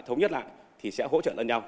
thống nhất lại thì sẽ hỗ trợ lần nhau